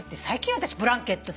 私ブランケットって。